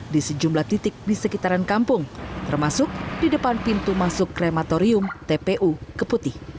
di sejumlah titik di sekitaran kampung termasuk di depan pintu masuk krematorium tpu keputih